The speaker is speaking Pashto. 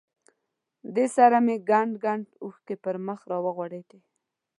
دې سره مې کنډ کنډ اوښکې پر مخ را ورغړېدې.